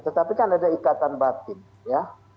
tetapi kan ada ikatan batin ya